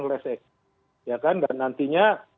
kelas aksion dan nantinya